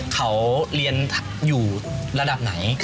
เขาเรียนอยู่ระดับไหน